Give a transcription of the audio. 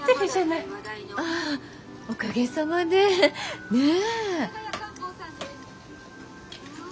あっおかげさまで。ねぇ。